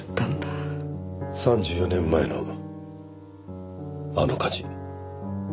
３４年前のあの火事？